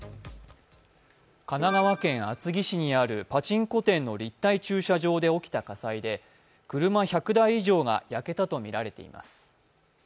神奈川県厚木市にあるパチンコ店の立体駐車場で起きた火災で車１００台以上が焼けたとみられています。